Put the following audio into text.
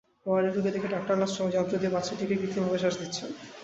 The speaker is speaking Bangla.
ওয়ার্ডে ঢুকে দেখি, ডাক্তার-নার্স সবাই যন্ত্র দিয়ে বাচ্চাটিকে কৃত্রিমভাবে শ্বাস দিচ্ছেন।